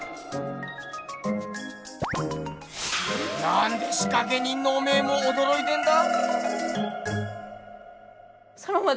なんで仕掛け人のおめーもおどろいてんだ？